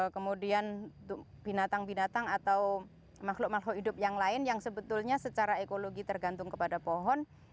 kemudian binatang binatang atau makhluk makhluk hidup yang lain yang sebetulnya secara ekologi tergantung kepada pohon